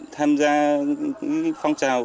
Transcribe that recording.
tham gia phong trào